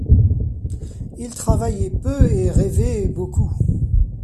Il travaillait peu et rêvait beaucoup.